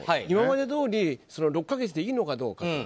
今までどおり６か月でいいのかどうか。